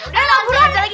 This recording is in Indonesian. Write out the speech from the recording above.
udah nganggur aja lagi